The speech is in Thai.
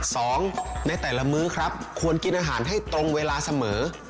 สองในแต่ละมื้อครับควรกินอาหารให้ตรงเวลาเสมอ